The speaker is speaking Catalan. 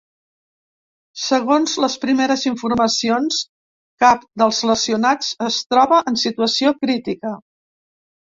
Segons les primeres informacions, cap dels lesionats es troba en situació crítica.